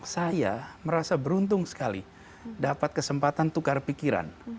saya merasa beruntung sekali dapat kesempatan tukar pikiran